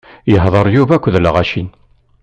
Ihḍeṛ Yuba akked lɣaci.